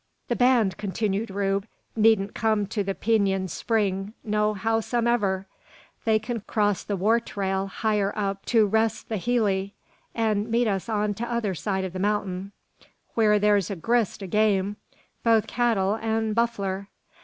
"The band," continued Rube, "needn't come to the Peenyun spring no howsomever. They kin cross the war trail higher up to to'rst the Heely, an' meet us on t'other side o' the mountain, whur thur's a grist o' game, both cattle an' buffler.